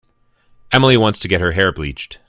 Emily wants to get her hair bleached.